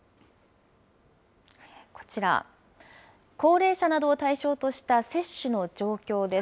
こちら、高齢者などを対象とした接種の状況です。